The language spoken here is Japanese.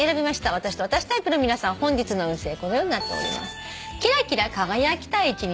私と私タイプの皆さんは本日の運勢このようになっております。